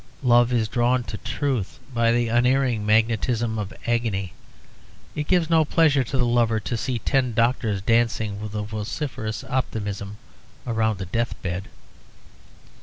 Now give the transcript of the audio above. Love is drawn to truth by the unerring magnetism of agony; it gives no pleasure to the lover to see ten doctors dancing with vociferous optimism round a death bed.